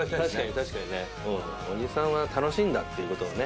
確かにねうん。おじさんは楽しいんだっていう事をね